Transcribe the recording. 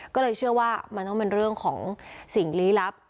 ก็เลยเชื่อว่ามันต้องเป็นเรื่องของสิ่งลี้ลับ